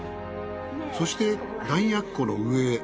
そして弾薬庫の上へ。